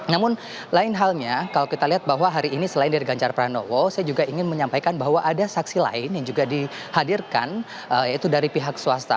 namun lain halnya kalau kita lihat bahwa hari ini selain dari ganjar pranowo saya juga ingin menyampaikan bahwa ada saksi lain yang juga dihadirkan yaitu dari pihak swasta